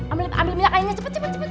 ambil minyak kayanya cepet cepet